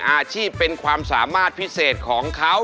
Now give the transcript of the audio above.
อาชีพเป็นความสามารถพิเศษของเขา